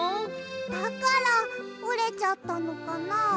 だからおれちゃったのかな。